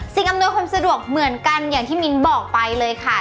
อำนวยความสะดวกเหมือนกันอย่างที่มิ้นบอกไปเลยค่ะ